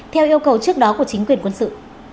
theo yêu cầu trước đó của chính quyền quân sự